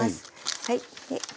はい。